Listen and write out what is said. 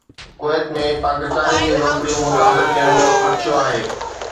ڪويت ۾ پاڪستانين جون نوڪريون متاثر ٿيڻ جو خدشو آهي